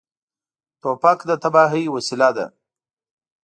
توپک د تباهۍ وسیله ده.